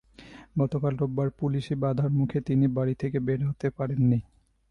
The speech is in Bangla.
গতকাল রোববার পুলিশি বাধার মুখে তিনি বাড়ি থেকে বের হতে পারেননি।